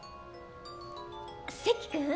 関君！